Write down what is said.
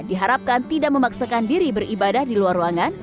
diharapkan tidak memaksakan diri beribadah di luar ruangan